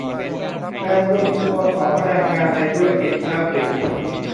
การรวมตัวของแรงงานในธุรกิจค้าปลีก